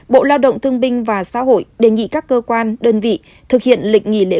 bộ lao động thương binh và xã hội đề nghị các cơ quan đơn vị thực hiện lịch nghỉ lễ